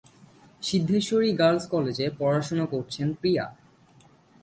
Siddheshwari girls কলেজে পড়াশোনা করছেন পিয়া।